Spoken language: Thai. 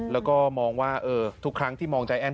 แล้วก็มองว่าทุกครั้งที่มองใจแอ้น